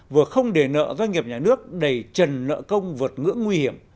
vừa không để nợ doanh nghiệp nhà nước đầy trần nợ công vượt ngưỡng nguy hiểm